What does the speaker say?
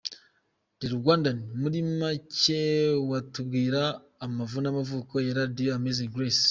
The Rwandan: Muri Make watubwira amavu n’amavuko ya Radio Amazing Grace?